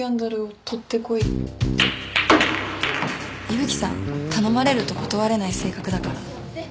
伊吹さん頼まれると断れない性格だから。